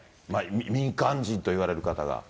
民間人といわれる方が。